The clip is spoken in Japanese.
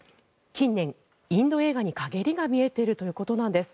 近年インド映画に陰りが見えているということなんです。